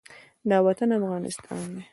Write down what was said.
دا وطن افغانستان دى.